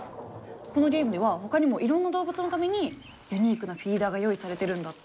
このゲームではほかにもいろんな動物のためにユニークなフィーダーが用意されてるんだって。